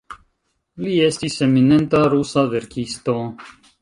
Li estis eminenta rusa verkisto.